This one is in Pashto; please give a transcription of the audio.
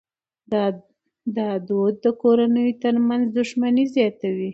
دا دود د کورنیو ترمنځ دښمني زیاتوي.